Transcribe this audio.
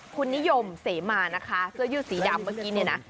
คุณนิยมเสมอนะคะเสื้อยู่สีดำเมื่อกี้นะ